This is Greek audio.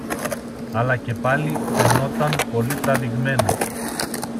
αλλά και πάλι φαινόταν πολύ τραβηγμένο